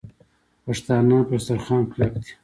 پښتانه پر دسترخوان کلک دي.